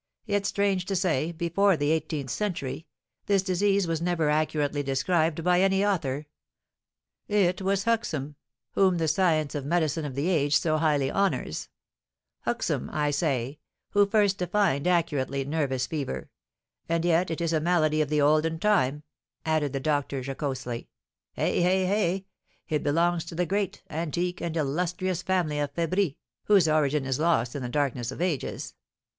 Yet, strange to say, before the eighteenth century, this disease was never accurately described by any author; it was Huxham, whom the science of medicine of the age so highly honours, Huxham, I say, who first defined accurately nervous fever; and yet it is a malady of the olden time," added the doctor, jocosely. "Eh, eh, eh! It belongs to the great, antique, and illustrious family of febris, whose origin is lost in the darkness of ages.